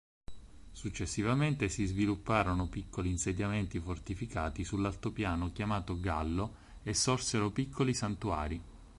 Successivamente si svilupparono piccoli insediamenti fortificati sull’altopiano chiamato Gallo e sorsero piccoli santuari.